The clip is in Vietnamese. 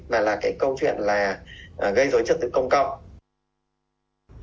mà là cái câu chuyện là gây rối trật tự công cộng